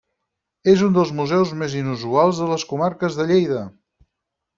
És un dels museus més inusuals de les comarques de Lleida.